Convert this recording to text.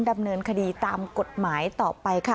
ดำเนินคดีตามกฎหมายต่อไปค่ะ